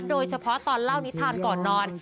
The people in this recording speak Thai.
โดยเฉพาะตอนเล่านิทานก่อนนอน